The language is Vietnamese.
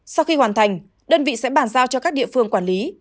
sau khi hoàn thành đơn vị sẽ bàn giao cho các địa phương quản lý